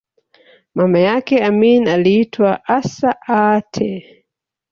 Mama yake Amin aliitwa Assa Aatte